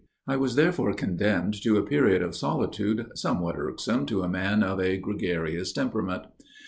I was therefore condemned to a period of solitude somewhat irksome to a man of a gregarious temperament.